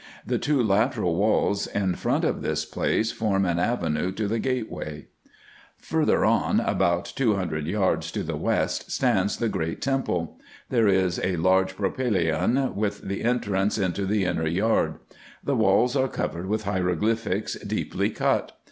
The two lateral walls in front of this place form an avenue to the gateway. Further on, about two hundred yards to the west, stands the great temple. There is a large propylseon, with the entrance into the inner yard. The walls are covered with hieroglyphics, deeply cut.